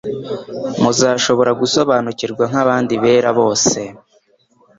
Muzashobora gusobanukirwa nk'abandi bera bose